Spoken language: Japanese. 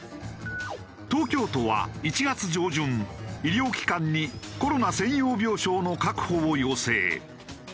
東京都は１月上旬医療機関にコロナ専用病床の確保を要請。